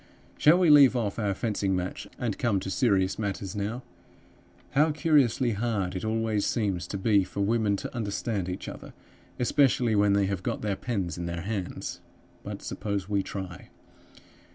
"Shall we leave off our fencing match and come to serious matters now? How curiously hard it always seems to be for women to understand each other, especially when they have got their pens in their hands! But suppose we try.